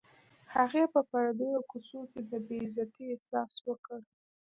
هغې په پردیو کوڅو کې د بې عزتۍ احساس وکړ